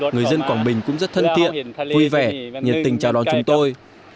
người dân quảng bình cũng rất thân thiện vui vẻ nhiệt tình chào đón chúng tôi